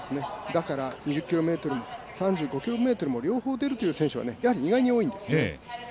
だから２０ｋｍも３５ｋｍも両方出るっていう選手は意外に多いんですよね。